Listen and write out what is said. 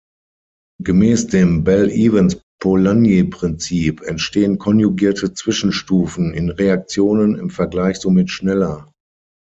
Gemäß dem Bell-Evans-Polanyi-Prinzip entstehen konjugierte Zwischenstufen in Reaktionen im Vergleich somit schneller.